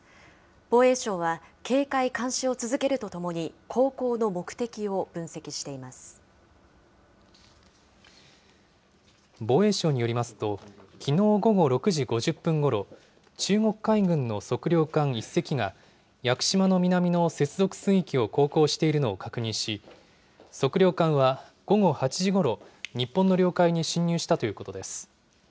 防衛省は警戒・監視を続けるとともに、航行の目的を分析していま防衛省によりますと、きのう午後６時５０分ごろ、中国海軍の測量艦１隻が、屋久島の南の接続水域を航行しているのを確認し、測量艦は午後８時ごろ、日本の領海に侵入したということです。